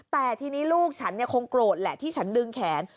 แต่ทีนี้ลูกฉันคงโกรธแหละที่ฉันดึงแขน